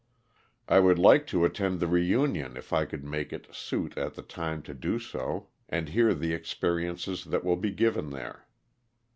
I would like to attend the reunion if I could make it suit at the time to do so, and hear the experiences that will be given there.